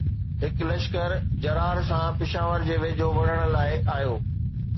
هڪ لشڪر جرار سان پشاور جي ويجهو وڙهڻ لاءِ آيو